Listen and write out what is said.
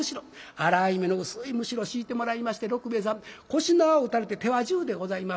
粗い目の薄いむしろ敷いてもらいまして六兵衛さん腰に縄を打たれて手は自由でございます。